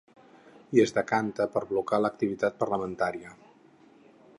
I es decanta per blocar l’activitat parlamentària.